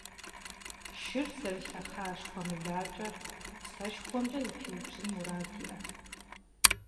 Шыр зэрылъэхъа шхуэмылакӀэр сэшхуэмкӀэ зэпиупщӀын мурад иӀэт.